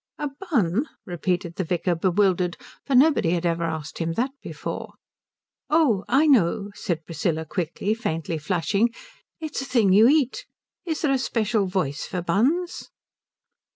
"A bun?" repeated the vicar bewildered, for nobody had ever asked him that before. "Oh I know " said Priscilla quickly, faintly flushing, "it's a thing you eat. Is there a special voice for buns?"